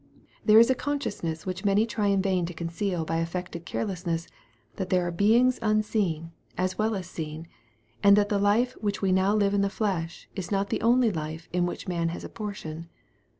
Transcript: There is a consciousness which many try in vain to conceal by affected careless ness, that there are beings unseen, as well as seen, and that the life which we now live in the flesh, is not the only life in which man has a portion.